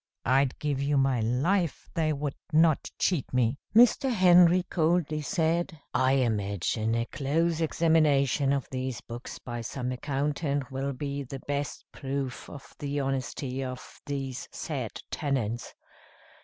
I'd give you my life, they would not cheat me." Mr. Henry coldly said: "I imagine a close examination of these books by some accountant will be the best proof of the honesty of these said tenants.